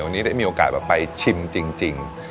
วันนี้ได้มีโอกาสไปชิมจริง